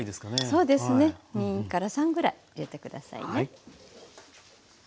そうですね２から３ぐらい入れて下さいね。